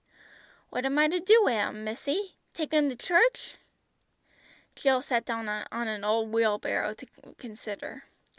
"What am I to do wi' 'em, missy. Take 'em to church?" Jill sat down on an old wheelbarrow to consider.